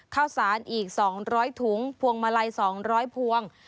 ข้าวสารอีก๒๐๐ถุงพวงมาลัย๒๐๐พวง